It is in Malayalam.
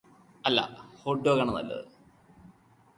അല്ല ഹോട്ട് ഡോഗ് ആണ് നല്ലത്